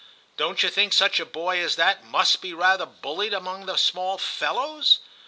Don't you think such a boy as that must be rather bullied among the small fellows ?